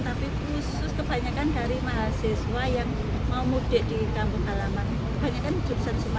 tapi khusus kebanyakan dari mahasiswa yang mau mudik di kampung halaman kebanyakan